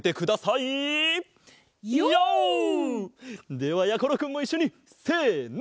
ではやころくんもいっしょにせの。